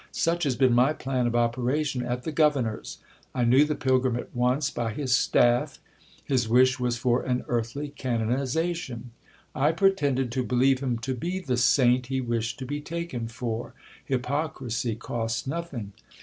Such has been my plan of operation at the governor's. I knew the pilgrim at once by his staff ; his wish was for an earthly canonization. I pretended to believe him to be the saint he wished to be taken for, hypocrisy costs nothing.